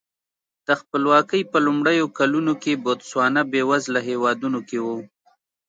د خپلواکۍ په لومړیو کلونو کې بوتسوانا بېوزلو هېوادونو کې و.